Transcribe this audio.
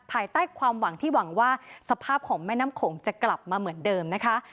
ภายใต้ความหวังที่หวังว่าสภาพของแม่น้ำโขงจะกลับมาเหมือนเดิมนะคะ